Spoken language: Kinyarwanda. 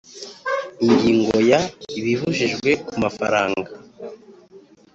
Ingingo ya Ibibujijwe ku mafaranga